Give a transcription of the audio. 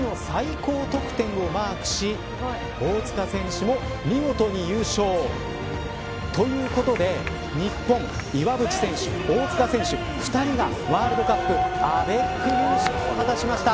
この日の最高得点をマークし大塚選手も見事に優勝。ということで日本岩渕選手、大塚選手２人がワールドカップアベック優勝を果たしました。